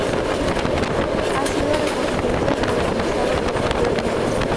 Ha sido reconstruido y modernizado posteriormente.